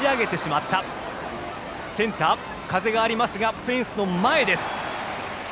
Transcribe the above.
センター、風がありますがフェンスの前です。